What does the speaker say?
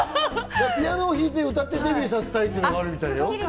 ピアノを弾いて、歌ってデビューさせたいっていうのがあるみたいよ。